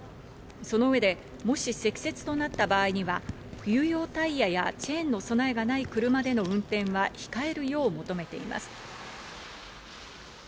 その上で、もし積雪となった場合には冬用タイヤやチェーンの備えがない車での運転は控えるよう求めています。